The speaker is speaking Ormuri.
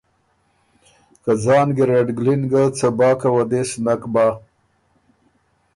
که ځان ګېرډ ګلِن ګۀ څۀ باک وه دې سو نک بَۀ۔